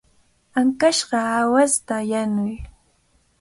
Ankashqa aawasta yanuy.